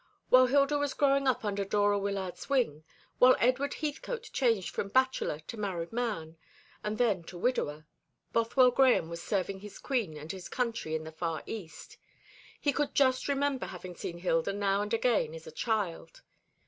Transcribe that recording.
While Hilda was growing up under Dora Wyllard's wing, while Edward Heathcote changed from bachelor to married man, and then to widower, Bothwell Grahame was serving his Queen and his country in the far East. He could just remember having seen Hilda now and again as a child.